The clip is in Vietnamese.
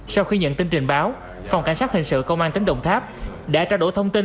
sau khi nhận tin trình báo phòng cảnh sát hình sự công an tỉnh đồng tháp đã trao đổi thông tin